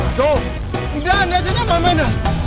ajo udah anda sudah main main